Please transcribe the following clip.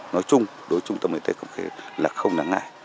nói chung đối với trung tâm y tế không khí là không đáng ngại